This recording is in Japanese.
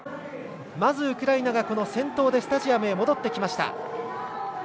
まずウクライナが先頭でスタジアムに戻ってきた。